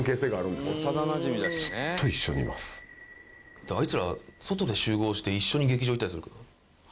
だってあいつら外で集合して一緒に劇場行ったりするから。